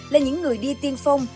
là những người đi tiên phong